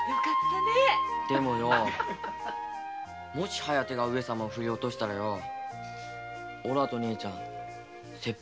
でもよもし「疾風」が上様を振り落としたらよおらと姉ちゃんは切腹だっぺよ。